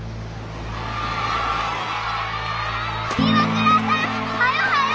岩倉さんはよはよ！